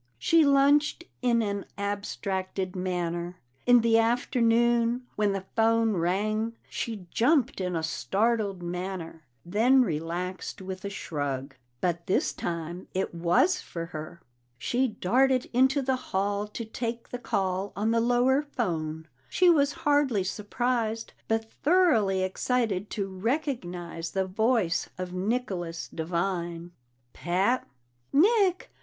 She lunched in an abstracted manner. In the afternoon, when the phone rang, she jumped in a startled manner, then relaxed with a shrug. But this time it was for her. She darted into the hall to take the call on the lower phone; she was hardly surprised but thoroughly excited to recognize the voice of Nicholas Devine. "Pat?" "Nick!